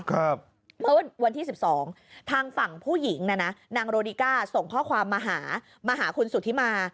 เมื่อวันที่๑๒ทางฝั่งผู้หญิงนะนะนางโรดิก้าส่งข้อความมาหามาหาคุณสุธิมา